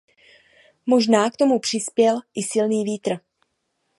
Možná k tomu přispěl i silný vítr.